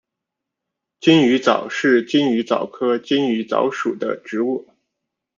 金鱼藻是金鱼藻科金鱼藻属的植物。